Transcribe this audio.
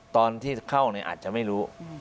ตอนที่เข้าอาจจะไม่รู้